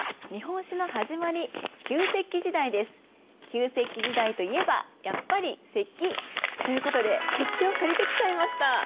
旧石器時代といえばやっぱり石器！ということで石器を借りてきちゃいました。